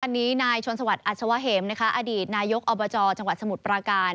อันนี้นายชนสวัสดิอัศวะเหมอดีตนายกอบจจังหวัดสมุทรปราการ